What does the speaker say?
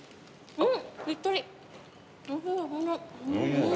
うん。